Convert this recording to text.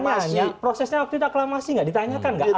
mas prosesnya waktu itu aklamasi nggak ditanyakan nggak